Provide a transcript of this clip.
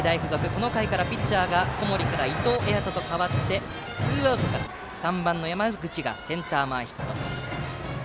この回からピッチャーが小森から伊藤彩斗に代わってツーアウトから３番、山口がセンター前ヒット。